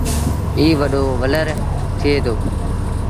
ائيٚݩ وڏو ولر ٿئي دو ۔